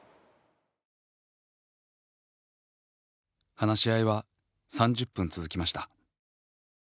話し合いは３０分続きました。